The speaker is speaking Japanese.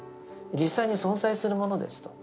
実際に存在するものですと。